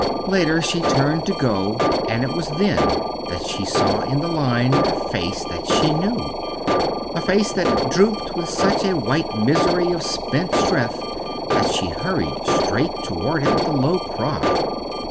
Later she turned to go, and it was then that she saw in the line a face that she knew a face that drooped with such a white misery of spent strength that she hurried straight toward it with a low cry.